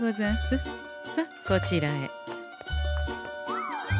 さあこちらへ。